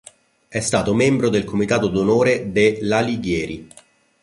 È stato membro del comitato d'onore de "L'Alighieri.